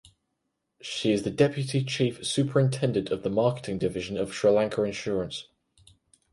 She is the Deputy Chief Superintendent of the Marketing Division of Sri Lanka Insurance.